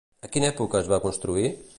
A quina època es va construir?